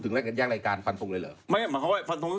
นี่ไงมันจะมาแย่งรายการนี้อยู่